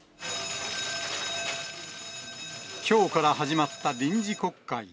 きょうから始まった臨時国会。